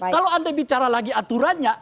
kalau anda bicara lagi aturannya